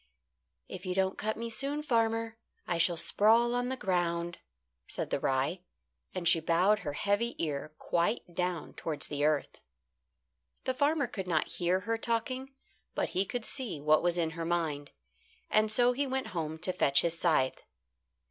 "If you don't cut me soon, farmer, I shall sprawl on the ground," said the rye, and she bowed her heavy ear quite down towards the earth. The farmer could not hear her talking, but he could see what was in her mind, and so he went home to fetch his scythe.